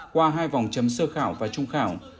qua hai vòng chấm sơ khảo và trung khảo